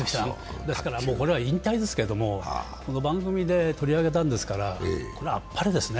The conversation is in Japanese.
これは引退ですけども、番組で取り上げたんだからこれはあっぱれですね。